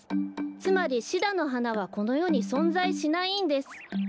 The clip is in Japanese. つまりシダのはなはこのよにそんざいしないんです。